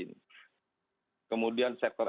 ini kemudian sektor